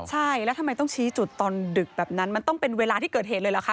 ใช่แล้วทำไมต้องชี้จุดตอนดึกแบบนั้นมันต้องเป็นเวลาที่เกิดเหตุเลยเหรอคะ